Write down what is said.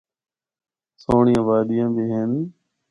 سہنڑیاں وادیاں بھی ہن۔